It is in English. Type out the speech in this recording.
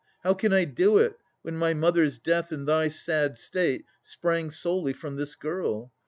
How can I do it, when my mother's death And thy sad state sprang solely from this girl?